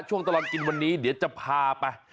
ช่วงตลอดกินวันนี้เดี๋ยวจะพาไป